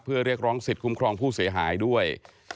เพื่อเรียกร้องสิทธิคุ้มครองผู้เสียหายด้วย